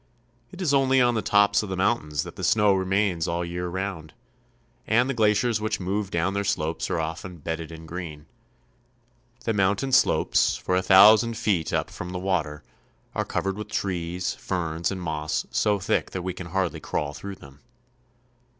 It is only on the tops of the 'mountains that the snow remains all the year round, and the glaciers which move down their slopes are often bedded in green. The mountain slopes, for a thousand 1 64 CHILE. feet up from the water, are covered with trees, ferns, and moss so thick that we can hardly crawl through them.